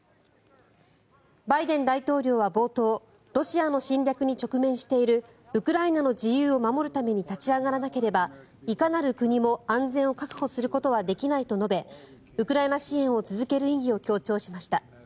バイデン大統領は冒頭ロシアの侵略に直面しているウクライナの自由を守るために立ち上がらなければいかなる国も安全を確保することはできないと述べウクライナ支援を続ける意義を強調しました。